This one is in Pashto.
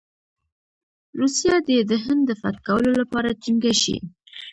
روسیه دې د هند د فتح کولو لپاره ټینګه شي.